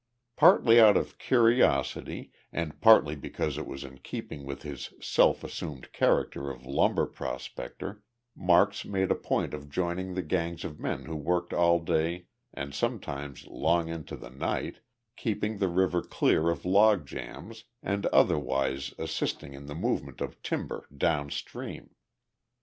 Partly out of curiosity and partly because it was in keeping with his self assumed character of lumber prospector, Marks made a point of joining the gangs of men who worked all day and sometimes long into the night keeping the river clear of log jams and otherwise assisting in the movement of timber downstream.